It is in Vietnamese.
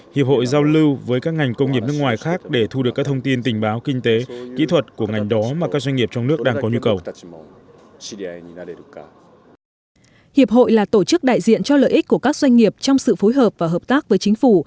hiệp hội là tổ chức đại diện cho lợi ích của các doanh nghiệp trong sự phối hợp và hợp tác với chính phủ